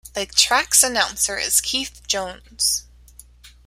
The track's announcer is Keith Jones.